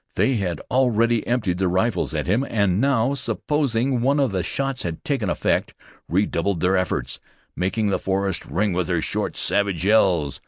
They had already emptied their rifles at him, and now, supposing one of the shots had taken effect, redoubled their efforts, making the forest ring with their short, savage yells.